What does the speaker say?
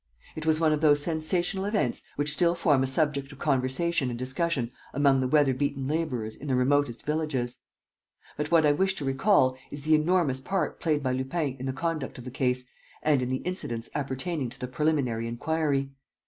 It was one of those sensational events which still form a subject of conversation and discussion among the weather beaten laborers in the remotest villages. But what I wish to recall is the enormous part played by Lupin in the conduct of the case and in the incidents appertaining to the preliminary inquiry.